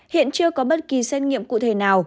hiện chưa có bất kỳ xét nghiệm cụ thể nào